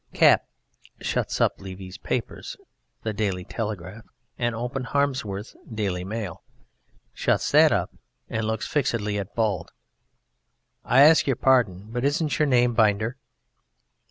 CAP (shuts up Levy's paper, "The Daily Telegraph," and opens Harmsworth's "Daily Mail," Shuts that up and looks fixedly at BALD): I ask your pardon ... but isn't your name Binder?